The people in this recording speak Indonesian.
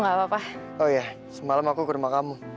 oh iya semalam aku ke rumah kamu